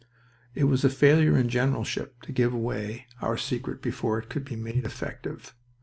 It was a failure in generalship to give away our secret before it could be made effective.